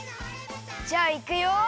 じゃあいくよ。